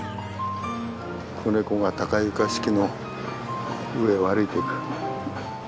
子ネコが高床式の上を歩いていく。